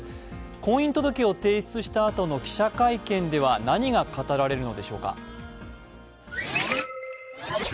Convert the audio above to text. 婚姻届を提出したあとの記者会見では何が語られるのでしょうか。